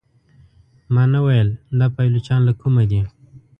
ما نه ویل دا پايي لچکان له کومه دي.